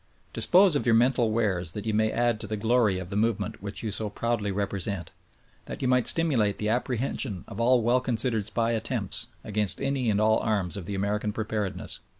Dispose of your mental wares that you may add to the glory of the move ment which you so proudly represent, that you might stimulate the apprehension of all well considered SPY attempts against any and all arms of American preparedness.